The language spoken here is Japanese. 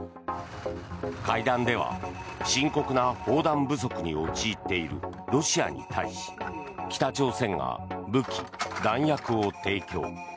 会談では深刻な砲弾不足に陥っているロシアに対し、北朝鮮が武器・弾薬を提供。